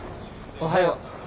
おはよう。